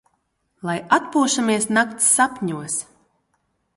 Lai atpūšamies nakts sapņos!